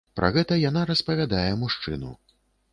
Пра гэта яна распавядае мужчыну.